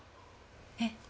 えっ？